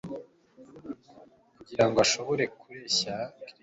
kugira ngo ashobore kuruesha Kristo.